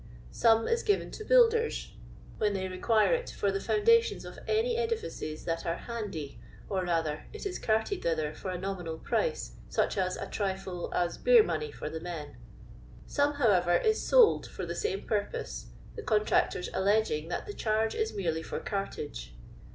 Some is given to builders, when they require it for the foundations of any edifices that are " handy,*' or rather it is carted thither for a nominal price, such as a trifle as beer money for the men. Some, however, is told for the same purpose, the contractors alleging that the charge is merely for cartage.